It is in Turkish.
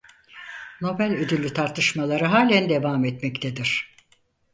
Nobel Ödülü tartışmaları halen devam etmektedir.